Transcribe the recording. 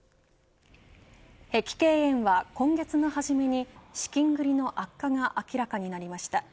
碧桂園は今月の初めに資金繰りの悪化が明らかになりました。